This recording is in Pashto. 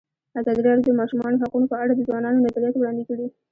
ازادي راډیو د د ماشومانو حقونه په اړه د ځوانانو نظریات وړاندې کړي.